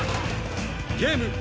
ゲーム。